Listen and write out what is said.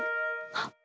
あっ！